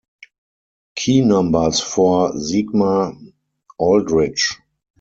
Key numbers for Sigma-Aldrich.